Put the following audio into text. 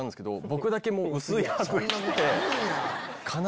僕だけ。